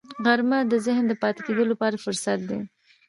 غرمه د ذهن د پاکېدو لپاره فرصت دی